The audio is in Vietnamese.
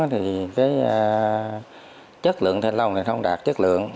thì cái chất lượng thay lòng thì không đạt chất lượng